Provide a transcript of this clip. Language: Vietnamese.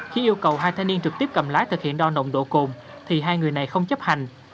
khi yêu cầu hai thanh niên trực tiếp cầm lái thực hiện đo nồng độ cồn thì hai người này không chấp hành